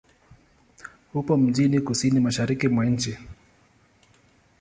Upo mjini kusini-mashariki mwa nchi.